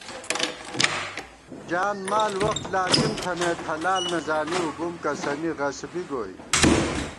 جان مال وخت لازِم تھنَئیت حلال نہ زانِؤ بُم کسَنی غصبی گوئی